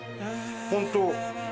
本当！